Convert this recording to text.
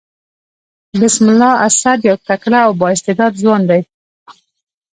بسم الله اسد يو تکړه او با استعداده ځوان دئ.